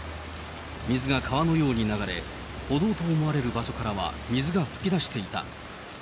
水が川のように流れ、歩道と思われる場所からは水が噴き出していた。